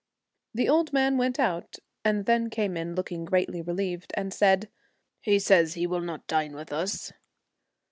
The old Sheep. man went out, and then came in look ing greatly relieved, and said, ' He says he will not dine with us.'